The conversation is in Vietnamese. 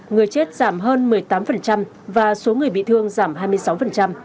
người chết giảm hơn một mươi tám và số người bị thương giảm hai mươi sáu